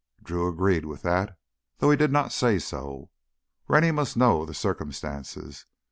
Drew agreed with that, though he did not say so. Rennie must know the circumstances.